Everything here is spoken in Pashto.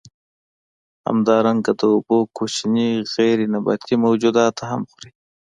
همدارنګه د اوبو کوچني غیر نباتي موجودات هم خوري.